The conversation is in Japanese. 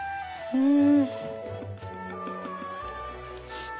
うん。